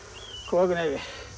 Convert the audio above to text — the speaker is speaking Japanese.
怖くないべ。